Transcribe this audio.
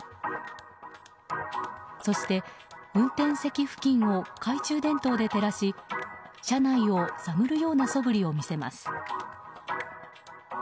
そして、運転席付近を懐中電灯で照らし車内を探るようなそぶりを見せます。